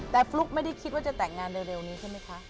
แต่ฟลุ๊กไม่ได้คิดว่าจะแต่งงานเร็วนี้ใช่ไหมคะ